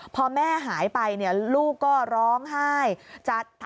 พอแม่หายไปเนี่ยลูกก็ร้องไห้